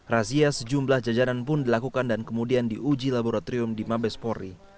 razia sejumlah jajanan pun dilakukan dan kemudian diuji laboratorium di mabespori